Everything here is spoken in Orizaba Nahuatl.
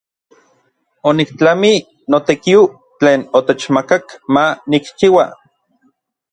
Oniktlamij n notekiu tlen otechmakak ma nikchiua.